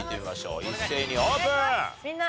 一斉にオープン！